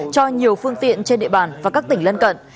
cho nhiều phương tiện trên địa bàn và các tỉnh lân cận